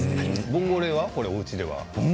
ボンゴレはおうちでは？